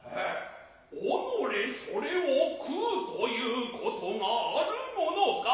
己れそれを食うと言う事があるものか。